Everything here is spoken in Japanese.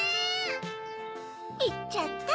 いっちゃった。